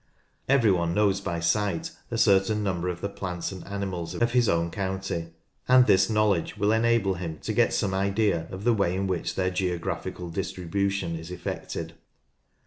Every one knows by sight a certain number of the plants and animals of his own county, and this knowledge will enable him to get some idea of the way in which their geographical distribution is effected.